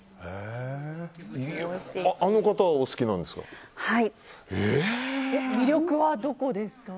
あの方がお好きなんですか？